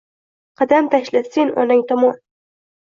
“qadam tashla sen onang tomon